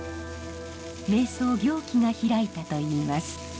名僧行基が開いたといいます。